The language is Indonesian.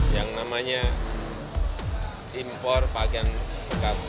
yang namanya impor pakaian bekas